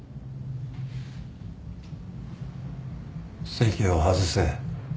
席を外せ。